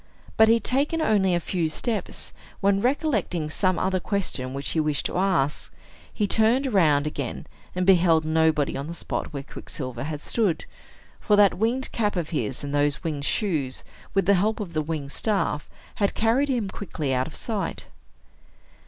But he had taken only a few steps, when, recollecting some other questions which he wished to ask, he turned round again, and beheld nobody on the spot where Quicksilver had stood; for that winged cap of his, and those winged shoes, with the help of the winged staff, had carried him quickly out of sight.